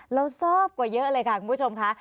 เราทราบกว่าเยอะเลยค่ะคุณผู้ชมค่ะ